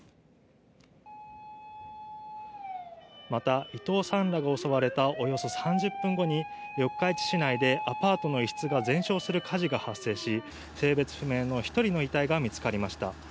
また伊藤さんらが襲われたおよそ３０分後に四日市内でアパートの一室が全焼する火事が発生し、性別不明の１人の遺体が見つかりました。